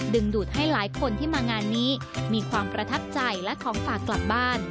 ดูดให้หลายคนที่มางานนี้มีความประทับใจและของฝากกลับบ้าน